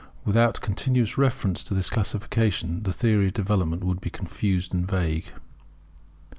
Without continuous reference to this classification the theory of development would be confused and vague.